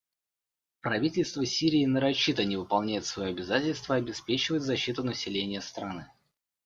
Правительство Сирии нарочито не выполняет свое обязательство обеспечивать защиту населения страны.